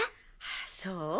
あらそう？